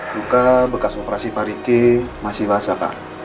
luka bekas operasi pak riki masih wasa pak